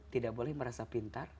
tidak boleh merasa pintar